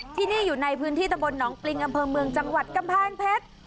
ที่นี่อยู่ในพื้นที่ตะบลหนองปริงอำเภอเมืองจังหวัดกำแพงเพชร